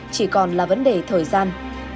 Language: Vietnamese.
chỉ còn là vấn đề thời gian